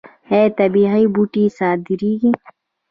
آیا طبیعي بوټي صادریږي؟